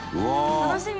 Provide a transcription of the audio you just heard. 楽しみ！